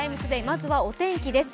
まずはお天気です。